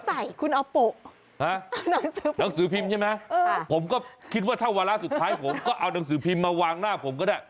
ใส่คุณออโปะหนังสือพิมพ์ใช่ไหมผมก็คิดว่าถ้าวาระสุดท้ายผมก็เอาหนังสือพิมพ์มาวางหน้าผมก็ได้